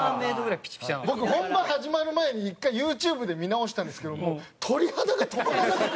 僕本番始まる前に１回ＹｏｕＴｕｂｅで見直したんですけどもう鳥肌が止まらなくて。